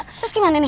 terus gimana ini